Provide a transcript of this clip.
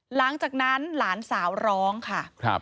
หลังจากนั้นหลานสาวร้องค่ะ